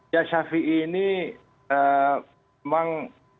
ya syafi ini memang